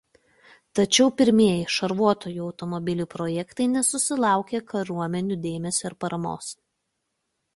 Tačiau pirmieji šarvuotųjų automobilių projektai nesusilaukė kariuomenių dėmesio ir paramos.